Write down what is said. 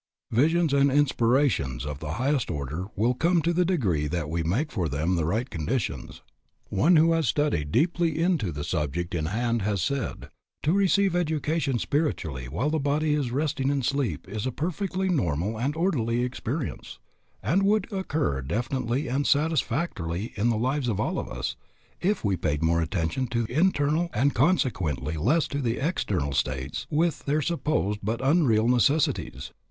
Visions and inspirations of the highest order will come in the degree that we make for them the right conditions. One who has studied deeply into the subject in hand has said: "To receive education spiritually while the body is resting in sleep is a perfectly normal and orderly experience, and would occur definitely and satisfactorily in the lives of all of us, if we paid more attention to internal and consequently less to external states with their supposed but unreal necessities.